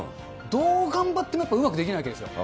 どう頑張ってもうまく出来ないわけですよ。